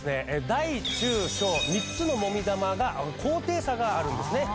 大中小３つのもみ玉が高低差があるんですね。